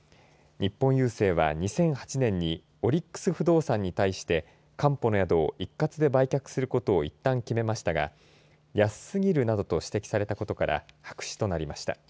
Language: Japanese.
日本郵政は、２００８年にオリックス不動産に対してかんぽの宿を一括で売却することをいったん決めましたが安すぎるなどと指摘されたことから白紙となりました。